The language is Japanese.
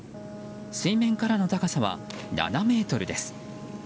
水面からの高さは７ｍです。